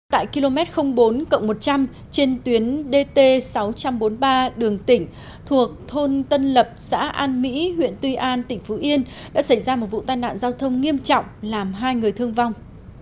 tại km bốn một trăm linh trên tuyến dt sáu trăm bốn mươi ba đường tỉnh thuộc thôn tân lập xã an mỹ huyện tuy an tỉnh phú yên đã xảy ra một vụ tai nạn giao thông nghiêm trọng làm hai người thương vong